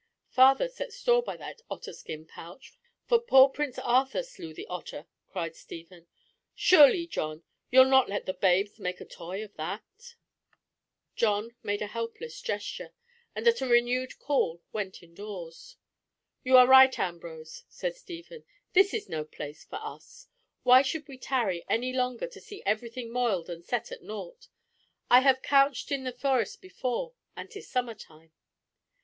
"Father set store by that otter skin pouch, for poor Prince Arthur slew the otter," cried Stephen. "Surely, John, you'll not let the babes make a toy of that?" John made a helpless gesture, and at a renewed call, went indoors. "You are right, Ambrose," said Stephen, "this is no place for us. Why should we tarry any longer to see everything moiled and set at nought? I have couched in the forest before, and 'tis summer time."